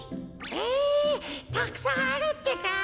えたくさんあるってか。